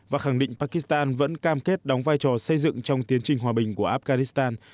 và khẳng định pakistan vẫn cam kết đóng vai trò xây dựng trong tiến trình hòa bình của afghanistan